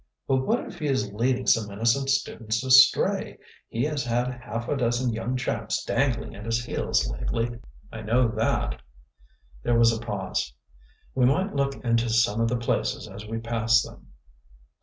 "But what if he is leading some innocent students astray? He has had half a dozen young chaps dangling at his heels lately." "I know that." There was a pause. "We might look into some of the places as we pass them."